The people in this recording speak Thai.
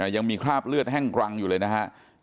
ยังมีคราบเลือดแห้งกรังอยู่เลยนะครับ